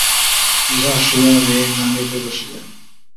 以下时间为南美标准时间。